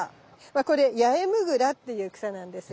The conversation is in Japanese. これヤエムグラっていう草なんですよ。